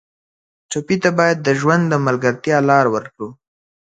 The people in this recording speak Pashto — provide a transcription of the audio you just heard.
ټپي ته باید د ژوند د ملګرتیا لاره ورکړو.